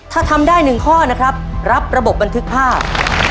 ถ้าทำได้๑ข้อนะครับรับระบบบันทึกภาพ